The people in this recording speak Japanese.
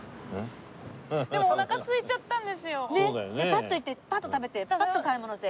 パッと行ってパッと食べてパッと買い物して。